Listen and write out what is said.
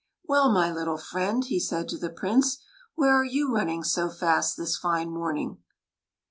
" Well, my little friend," he said to the Prince, "where are you running so fast, this fine morning